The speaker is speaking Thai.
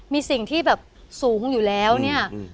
มีสิ่งที่แบบสูงอยู่แล้วเนี่ย